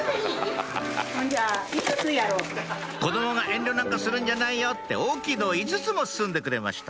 「子供が遠慮なんかするんじゃないよ」って大きいのを５つも包んでくれました